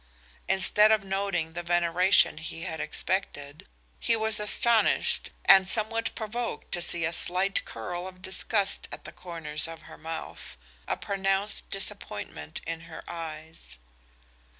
Instead of noting the veneration he had expected, he was astonished and somewhat provoked to see a slight curl of disgust at the corners of her mouth, a pronounced disappointment in her eyes.